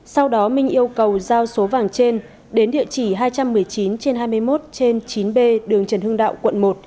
sau đó minh yêu cầu giao số vàng trên đến địa chỉ hai trăm một mươi chín trên hai mươi một trên chín b đường trần hưng đạo quận một